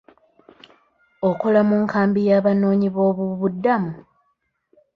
Okola mu nkambi y'Abanoonyiboobubudamu?